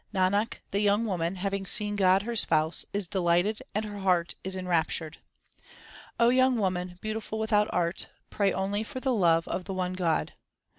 Nanak, the young woman, having seen God her Spouse, is delighted and her heart is enraptured. young woman, beautiful without art, pray only for the love of the one God.